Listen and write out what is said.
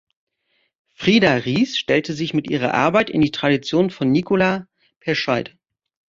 Frieda Riess stellte sich mit ihrer Arbeit in die Tradition von Nicola Perscheid.